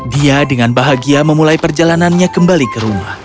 dia dengan bahagia memulai perjalanannya kembali ke rumah